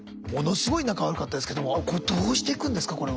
ものすごい仲悪かったですけどもこれどうしていくんですか？